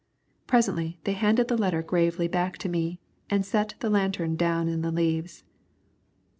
Presently they handed the letter gravely back to me and set the lantern down in the leaves.